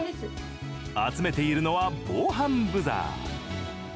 集めているのは防犯ブザー。